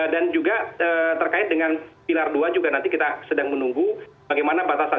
dan juga terkait dengan pilar dua juga nanti kita sedang menunggu bagaimana batasan